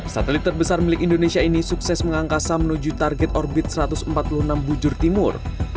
satelit terbesar milik indonesia ini sukses mengangkasa menuju target orbit satu ratus empat puluh enam bujur timur